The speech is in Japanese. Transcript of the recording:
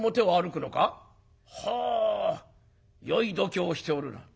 はあよい度胸をしておるな。